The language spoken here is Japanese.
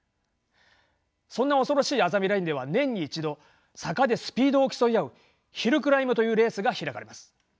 そんな恐ろしいあざみラインでは年に１度坂でスピードを競い合うヒルクライムというレースが開かれます。